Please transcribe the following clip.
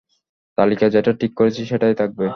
তালিকা যেটা ঠিক করেছি সেটাই থাকবে।